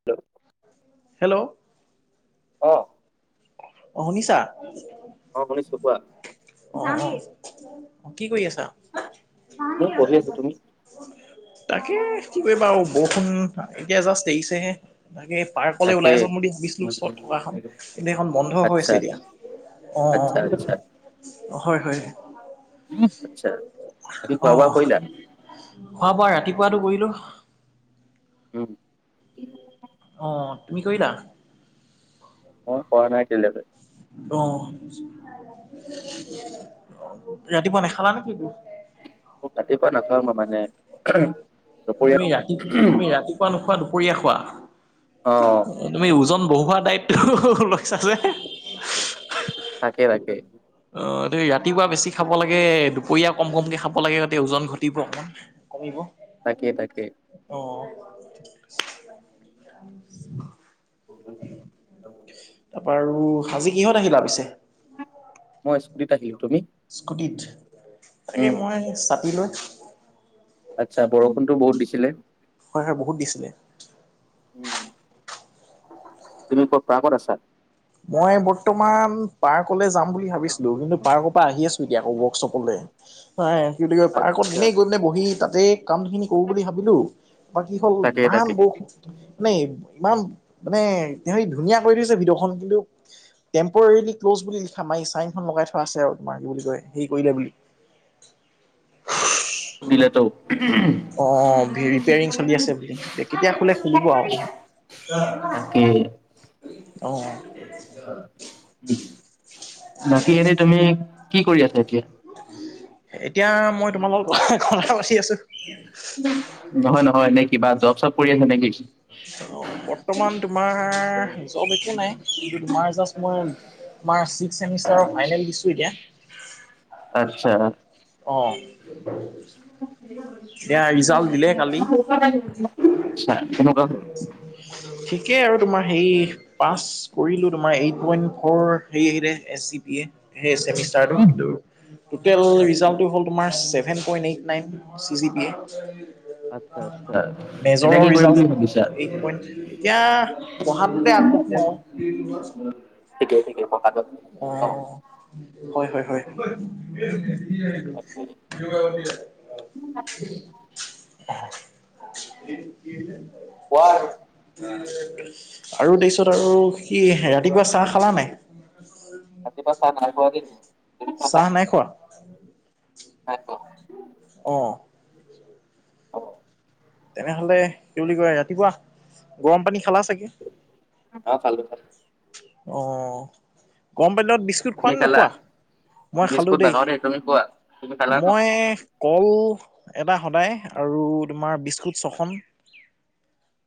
[inaudible] Hello অ'। অ', শুনিছা? অ', শুনিছো কোৱা? [unintelligible] কি কৰি আছা? মই পঢ়ি আছো তুমি তাকে কি কৰিবা বৰষুণ এতিয়া জাষ্ট এৰিছেহে। তাকে পাৰ্কলৈ তাকে ওলাইছাম বুলি ভাবিছিলো ওচৰত থকা খন কিন্তু এইখন বন্ধ আচ্ছা হৈছে এতিয়া। অ', অ'। আচ্ছা আচ্ছা হয়, হয়, আচ্ছা বাকী খোৱা বোৱা অ'। কৰিলা খোৱা বোৱা ৰাতিপুৱাটো কৰিলো। উম। অ', তুমি কৰিলা? মই কৰা নাই [unintelligible] অ'। ৰাতিপুৱা নেখালা নে কি? [unintelligible] ৰাতিপুৱা নাখাওঁ মানে দুপৰীয়া খাওঁ। খোৱা নোখোৱা দুপৰীয়া খোৱা? অ'। তুমি ওজন বঢ়োৱা দায়িত্ব লৈছা যে? তাকে তাকে। অ', এই ৰাতিপুৱা বেছি খাব লাগে। দুপৰীয়া কম কমকে খাব লাগে ওজন ঘটিব অকণমান। [inaudible] তাকে তাকে। অ'। [inaudible] তাৰপা আৰু সাজি কিহঁত আহিলা পিছে? মই স্কুটিত আহিলো, তুমি? স্কুটিত, এ উম মই চাটি লৈ। আটচ্ছা বৰষুণতো বহুত দিছিলে? হয়, হয়, বহুত দিছিলে। [unintelligible] তুমি ক'ত পাৰ্কত আছা? মই বৰ্তমান পাৰ্কলৈ যাম বুলি ভাবিছিলো কিন্তু পাৰ্ক পা আহি আছোঁ এতিয়া আকৌ ৱৰ্কশ্বপলে। নাই [unintelligible] পাৰ্কত আচ্ছা এনেই গৈ পিনে বহি তাতে কাম খিনি কৰো বুলি ভাবিলো কি হ'ল তাকে ইমান তাকে বৰষুণ। মানে ইমান মানে হেৰি ধুনীয়া কৰি থৈছে ভিতৰ খন কিন্তু টেম্পৰেলি ক্ল'জ বুলি লিখা [unintelligible] চাইনখন লগাই থোৱা আছে আৰু তোমাৰ [unintelligible] হেৰি কৰিলে বুলি। দিলেতো। অ ৰিপেয়াৰং চলি আছে বুলি কেতিয়া খলে খুলিব আৰু ত। তাকে। অঁ। বাকী এনে তুমি কি কৰি আছা এতিয়া? এতিয়া মই তোমাল লগৰ ঘৰ বাচি আছো নহয় নহয় এনে কিবা জব চব কৰি আছে নে কি বৰ্তমান তোমাৰ জব একো নাই কিন্তু তোমাৰ জব মই তমাৰ ছিক্সেমষ্টাৰৰ ফাইনেল দিছো এতিয়া আচ্ছা অঁ কালি আচ্ছা কেনেকুৱা ঠিকেই আৰু তোমাৰ হেৰি পাছ কৰিলোঁ তোমাৰ এইট পইণ্ট ফ'ৰ হেৰি আহিলে এছ চি পি এ স এ হ'ল? এম তোতেল আচ্ছা ৰিজাল্ট টো seven point eight nine C C P আচ্ছা আচ্ছা এতিয়া মেজৰৰ কি কৰিম ৰিজাল বুলি ভাবিছা এইত পইন্ট এতিয়া পঢ়াতে আগবঢ়া আৰু ঠিকেই ঠিকেই কথাটো অ হয় হয় হয় তাকে যোগ হয় উম কোৱা আৰু আৰু তাৰ পিছত আৰু কি ৰাতিপুৱা চাহ খালা নে নাই অ ৰাতি পুৱা চাহ নাই খোৱা দে চাহ নাই খোৱা হয় অঁ অ তেনেহলে কি বুলি কয় ৰাতিপুৱা গৰম পানী খালা চাগে অ খালো খালো অ গম পালে বিশ খোৱা তুমি নে খালা নোখোৱা মই খালোঁ বিস্কুট দেই নাখাওঁ তুমি খোৱা তুমি খালা ন মই কল এটা সদায় আৰু তোমাৰ বিস্কুট ছখন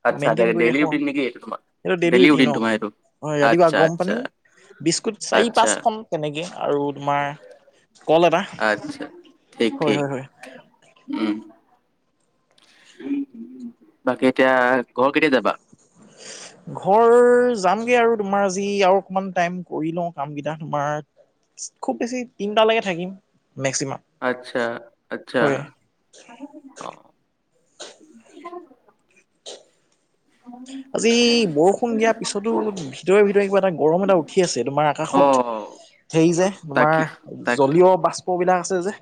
আচ্ছা মেইনটেইন ডেইলি কৰি ৰাখো ৰুটিন নেকি এইটো তোমাৰ এইটো ডেইলি ৰুটিন ন তোমাৰ এইটো হয় ৰাতিপুৱা আচ্ছা গৰম আচ্ছা পানী বিস্কুট চাৰি আচ্ছা পাঁচ খন তেনেকে আৰু তোমাৰ কল এটা আচ্ছা ঠিক হয় ঠিক হয় হয় উম বাকী এতিয়া ঘৰ কেতিয়া যাবা হয় ঘৰ যামগে আৰু তোমাৰ আজি আৰু অকমান টাইম কৰি লওঁ কাম কেইটা তোমাৰ খুব বেছি তিনটালৈকে থাকিম মেক্সিমাম আচ্ছা আচ্ছা হয় আজি বৰষুণ দিয়াৰ পিছতো ভিতৰে ভিতৰে কিবা এটা গৰম এটা উঠি আছে তোমাৰ আকাশত অ', সেই যে তোমাৰ তাকে তাক জলীয় বাষ্প অসুবিধা আছে যে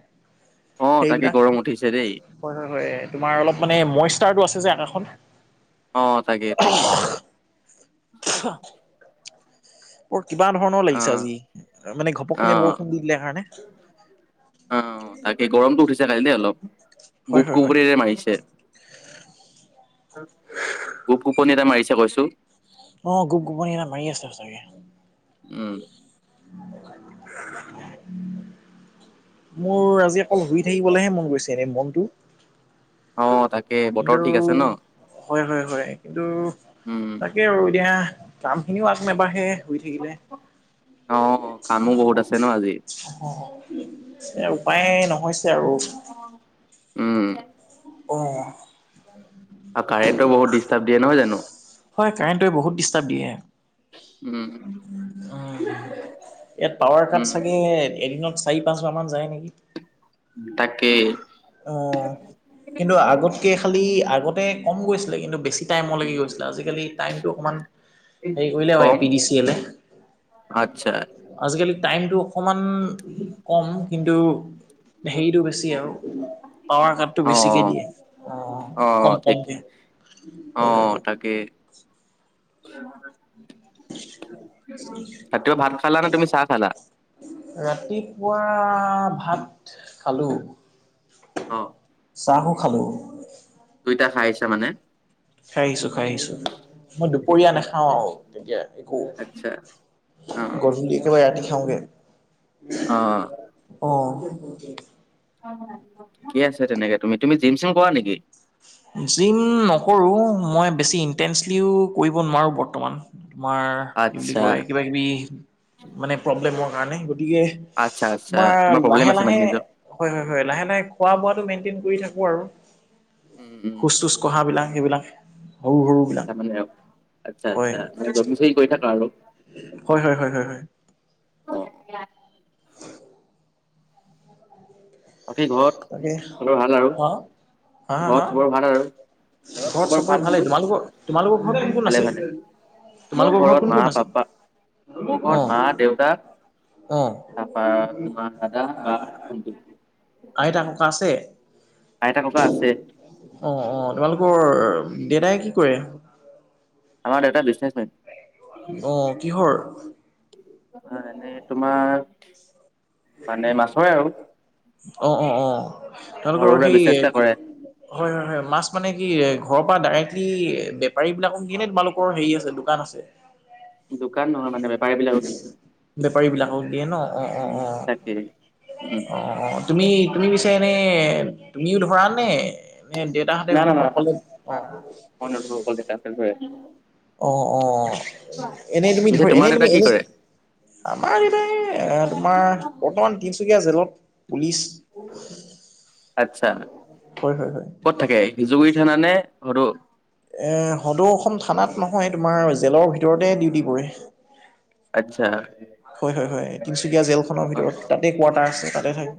অ', তাকে সেইবিলাক গৰম উঠিছে দেই। হয় হয় হয় তোমাৰ অলপ মানে মইষ্টাৰটো আছে যে আকাখন অ তাকেই তাকেই অ বৰ কিবা ধৰণৰ লাগিছে অ', আজি মানে ঘপক কিনে অ', বৰষুণ দি দিলে কাৰণে অ তাকে গৰমটো উঠিছে কালি দেই অলপ হয় গোপ হয় হয় কোবৰেৰে মাৰিছে গোপ গোপনী এটা মাৰিছে কৈছো। অ', গোপ গোপনী এটা মাৰি আছে চাগে। উম। [inaudible] মোৰ আজি অকল শুই থাকিবলৈহে মন গৈছে এনে মনটো। অ', তাকে বতৰ কিন্তু ঠিক আছে ন? হয় হয় হয়। কিন্তু উম, তাকে আৰু এতিয়া কামখিনিও আগ নেবাহে শুই থাকিলে। অ', কামো বহুত আছে ন আজি। অ এ উপায় নহৈছে আৰু। [inaudible] উম। অ'। আৰু কাৰেণ্টোয়ে বহুত ডিষ্টাৰ্ব দিয়ে নহয় জানো। হয়, কাৰেণ্টোৱে বহুত ডিষ্টাৰ্ব দিয়ে। উম, ইয়াত পাৱাৰ কাট উম, চাগে এদিনত চাৰি পাঁচ বাৰ মান যায় নেকি। তাকে। অ', কিন্তু আগতকে খালি আগতে কম গৈছিলে কিন্তু বেছি টাইম লাগি গৈছিলে আজিকালি টাইমতটো অকণমান হেৰি কৰিলে আৰু এ কম পি ডি চি এলে। আচ্ছা। আজিকালি টাইমতটো অকমান কম কিন্তু হেৰিটো বেছি আৰু। পাৱাৰ কাটটো বেছিকে অ', দিয়ে। অ', কম অ', এক কমকে হয় হয় অ' হয়। তাকে। [inaudible] ৰাতিপুৱা ভাত খালা নে তুমি চাহ খালা? [inaudible] ৰাতিপুৱা ভাত খালো। অ চাহো খালো। দুইটা খাই আহিছা মানে? খাই আহিছো খাই আহিছো মই ঠিকে দুপৰীয়া আছে নাখাওঁ আৰু তেতিয়া একো। আচ্ছা অ গধূলি একেবাৰে ৰাতি খাওঁগে। অ'। অ'। কি আছে তেনেকে তুমি তুমি জিম চিম কৰা নেকি? জিম নকৰোঁ মই বেছি ইনটেনঞ্চলিও কৰিব নোৱাৰোঁ বৰ্তমান। তোমাৰ কি বুলি আচ্ছা কয় কিবা কিবি মানে প্ৰব্লেমৰ কাৰণে। গতিকে আচ্ছা আচ্ছা তোমাৰ প্ৰব্লেম লাহে আছে মানে লাহে নিজৰ হয় হয় হয় লাহে লাহে খোৱা বোৱাটো মেইনটেইন কৰি থাকো আৰু। উম উম খোজ তোজ কঢ়াবিলাক সেইবিলাক তাৰমানে সৰু সৰু। আচ্ছা আচ্ছা হয়, মানে জগিং চগিং কৰি হয়, থাকা আৰু হয়, হয়, হয়। অ [inaudible] বাকী ঘৰত তাকে চবৰ ভাল আৰু হা হা ঘৰত হা? চবৰ ভাল আৰু ঘৰত চবৰ চবৰে ভাল বোলো ভালেই তোমালোকৰ? তোমালোকৰ ঘৰত কোন কোন ভালে আছে? ভালে মোৰ তোমালোকৰ ঘৰত কোন মা কোন আছে? পাপ্পা মোৰ ঘৰত অ' মা দেউতা। অ', তাৰপা তোমাৰ দাদা বা ভন্টি আইতা ককা আছে? আইতা ককা আছে। অ', অ', তোমালোকৰ দেতাই কি কৰে? আমাৰ দেতা বিজনেছমেন। অ', কিহৰ? অ', এনেই তোমাৰ মানে মাছৰে আৰু। অ', অ', অ', সৰু তেওঁলোকৰ সুৰা সেই বিজনেছ এটা কৰে। হয়, হয়, হয়, মাছ মানে কি ঘৰৰ পৰা ডাইৰেক্টলি বেপাৰীবিলাকক দিয়ে নে তোমালোক হেৰি আছে দোকান আছে? দোকান নহয় মানে বেপাৰী বিলাকক দিয়ে। বেপাৰী বিলাকক দিয়ে ন অ' অ' অ'। তাকে। উম, অ' অ' তুমি তুমি পিছে এনে তুমিও ধৰা নে এ। ত তাহতে না না না অকলে না অ'। না মই নধৰো অকল দেউতাক ধৰে। অ' অ' এনেই তুমি পিছে ধৰি তোমাৰ এনেই দেউতা তুমি কি এনে। কৰে? আমাৰ এটাই তোমাৰ বৰ্তমান তিনচুকীয়া জেলত পুলিচ আচ্ছা হয় হয় হয় ক'ত থাকে জুবি থানা নে সদৌ এ সদৌ অসম থানাত নহয় তোমাৰ জেলৰ ভিতৰতে ডিউটি কৰে। আচ্ছা হয় হয় হয় তিনচুকীয়া জেল খনৰ অ', ভিতৰত তাতে কোৱাৰ্টাৰ আছে তাতে থাকে।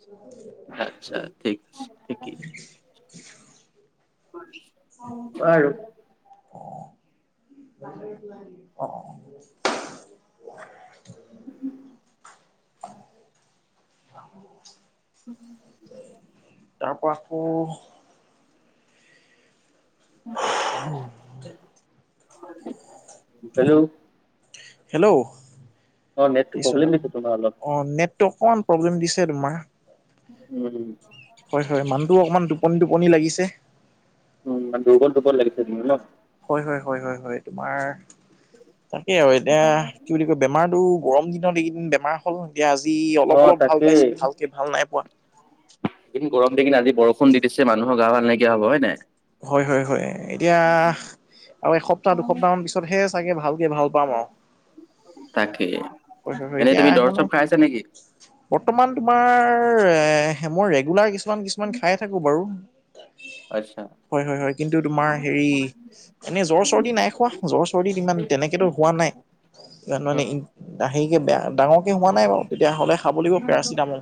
[inaudible] আচ্ছা ঠিক আছে ঠিকেই [inaudible] বাৰু [inaudible] [inaudible] [inaudible] তাৰ পৰা আকৌ হে'ল্ল হে'ল্ল অ', নেটটো পিছত প্ৰব্লেম আৰু দিছে তোমাৰ অলপ অ নেটটো অকণমান প্ৰব্লেম দিছে তোমাৰ উম হয় হয় মানহটোও অকণমান টোপনি টোপনি লাগিছে উম দুৰ্বল দুৰ্বল লাগিছে তুমি ন হয় হয় হয় হয় হয় তোমাৰ তাকেই আৰু এতিয়া কি বুলি কয় বেমাৰতো গৰম দিনত এইকেইদিন বেমাৰ হ'ল এতিয়া আজি অলপ অ', অলপ ভাল পাইছো ভালকে ভাল নাই পোৱা এদিন গৰম দিখিনি আজি বৰষুণ দি দিছে মানুহৰ গা ভাল নাইকীয়া হব হয় নে নাই হয় হয় হয় এতিয়া আৰু এসপ্তাহ দুসপ্তাহ মান পিছতহে চাগে ভালকে ভাল পাম আৰু তাকে হয় হয় এনেই কিয়া তুমি দৰৱ এখনো চৰৱ খাই আছা নেকি? বৰ্তমান তোমাৰ হেমো ৰেগুলাৰ কিছুমান কিছুমান খাই থাকো বাৰু আচ্ছা হয় হয় হয় কিন্তু তোমাৰ হেৰি এনেই জ্বৰ চৰ্দি নাই খোৱা জ্বৰ চৰ্দিত ইমান তেনেকেতো হোৱা নাই তাৰ মানে ই লাহেকৈ বেয়া ডাঙৰকে হোৱা নাই বাৰু তেতিয়া হ'লে খাব লাগিব পেৰাচিটামল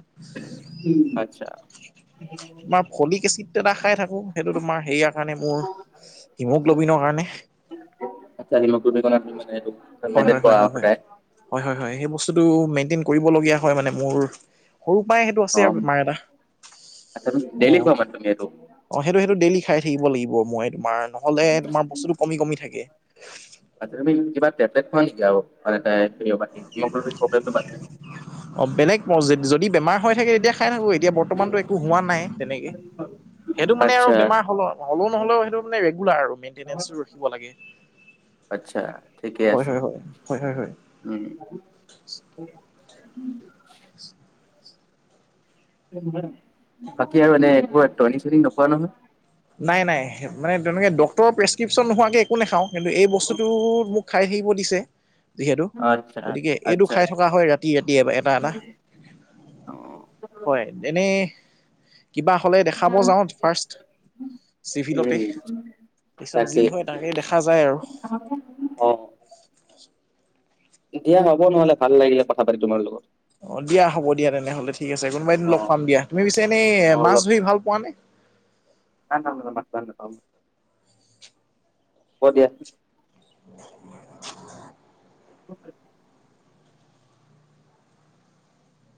আচ্ছা তোমাৰ ফলিক এচিড এটা খাই থাকো সেইটো তোমাৰ সেয়াৰ কাৰণে মোৰ হিমোগ্ল'বিনৰ কাৰণে চাৰি মান তুমি এইটো হয় মাইটেন হয় হয় কৰা হয় হয় সদায় হয় হয় হয় সেই বস্তুটো মেইনটেইন কৰিবলগীয়া হয় মানে মোৰ সৰু পৰাই সেইটো অ আছে আৰু বেমাৰ এটা আচ্ছা তুমি অ ডেইলি খোৱা মানে তুমি এইটো অ সেইটো সেইটো ডেইলি খাই থাকিব লাগিব মই তোমাৰ নহলে তোমাৰ বস্তুটো কমি কমি থাকে ভিটামিন কিবা টেবলেট খোৱা নেকি আৰু মানে তাইৰ হিমগ্লবিন প্ৰব্লেমটো বাদ নে অ বেলেগ মাৰ্জিত যদি বেমাৰ হৈ থাকে তেতিয়া খাই থাকো এতিয়া বৰ্তমানতো একো হোৱা নাই তেনেকে সেইটো মানে আৰু আচ্ছা বেমাৰ হলো হ'লেও নহ'লেও সেইটো মানে ৰেগুলাৰ আৰু মেইনতেনেনাঞ্চ ৰখিব লাগে। আচ্ছা ঠিকেই হয় আছিল হয় হয় হয় হয় হয় উম [inaudible] তাকেই আৰু এনে এবোৰ টৰ্নিং চৰ্নিং নোপোৱা নহয় নাই নাই মানে তেনেকে ডক্টৰৰ প্ৰেছক্ৰিপশ্যন নোহোৱাকৈ একো নাখাওঁ কিন্তু এই বস্তুটোতো মোক খাই আহিব দিছে যিহেতু আচ্ছা গতিকে এইটো আচ্ছা খাই থকা আচ্ছা হয় ৰাতি ৰাতি এটা এটা হয় অ'। এনেই কিবা হ'লে দেখাব যাওঁ ফাৰ্ষ্ট। চিভিলতে উম পিছত যি তাকেই হয় তাকেই দেখা যায় আৰু। [inaudible] দিয়া হ'ব নহ'লে ভাল লাগিলে কথা পাতি তোমাৰ লগত। অ', দিয়া হ'ব দিয়া তেনেহ'লে ঠিক আছে কোনোবা দিনা অ লগ পাম দিয়া। তুমি পিছে এনে মাছ ধৰি ভাল পোৱা নে? না না না মাছ ভাল নেপাওঁ। হ'ব দিয়া। [inaudible] [inaudible]